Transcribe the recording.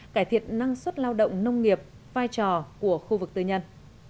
cải thiện năng suất lao động nông nghiệp vai trò của khu vực tư nhân